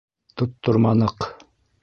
— Тотторманыҡ!